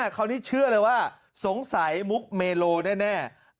คราวนี้เชื่อเลยว่าสงสัยมุกเมโลแน่